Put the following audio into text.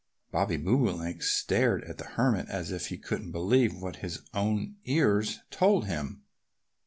Bobby Bobolink stared at the Hermit as if he couldn't believe what his own ears told him.